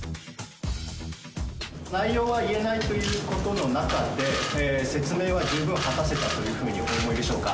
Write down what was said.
内容は言えないということの中で、説明は十分果たせたというふうにお思いでしょうか？